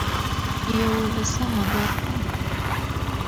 يولسمه برخه